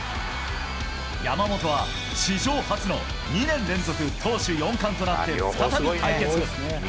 山本は、史上初の２年連続投手４冠となって、再び対決。